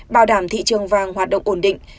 bảo đảm thị trường vàng hoạt động ổn định